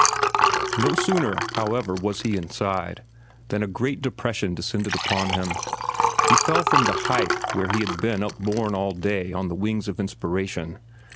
No sooner, however, was he inside than a great depression descended upon him. He fell from the height where he had been up borne all day on the wings of inspiration.